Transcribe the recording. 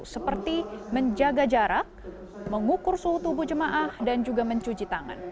seperti menjaga jarak mengukur suhu tubuh jemaah dan juga mencuci tangan